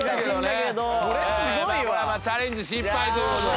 チャレンジ失敗という事で。